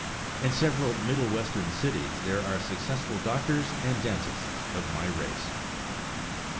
In several Middle Western cities there are successful doctors and dentists of my race.